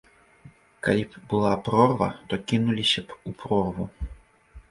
Калі б была прорва, то кінуліся б у прорву.